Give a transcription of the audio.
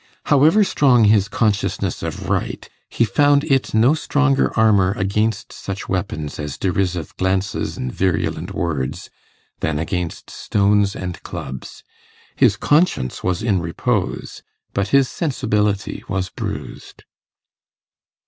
However strong his consciousness of right, he found it no stronger armour against such weapons as derisive glances and virulent words, than against stones and clubs: his conscience was in repose, but his sensibility was bruised.